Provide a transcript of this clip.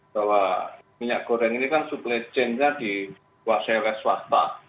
bahwa minyak goreng ini kan supply chainnya dikuasai oleh swasta